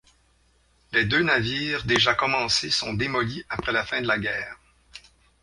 Les deux navires déjà commencés sont démolis après la fin de la guerre.